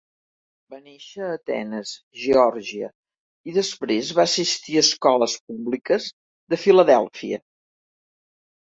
Va néixer a Atenes (Geòrgia) i després va assistir a escoles públiques de Filadèlfia.